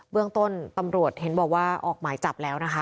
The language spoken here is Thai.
เรื่องต้นตำรวจเห็นบอกว่าออกหมายจับแล้วนะคะ